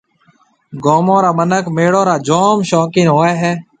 گومون را مِنک ميݪو را جوم شوقين ھوئيَ ھيََََ